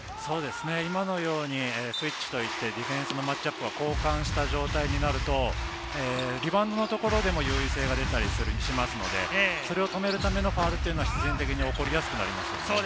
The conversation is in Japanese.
今のようにスイッチと言って、ディフェンスのマッチアップを交換した状態になると、リバウンドのところでの優位性が出たりしますので、それを止めるためのファウルは必然的に起こりやすくなります。